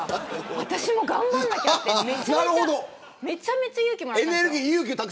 私も頑張らなきゃとめちゃめちゃ勇気もらいました。